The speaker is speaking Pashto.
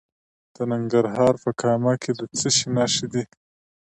د ننګرهار په کامه کې د څه شي نښې دي؟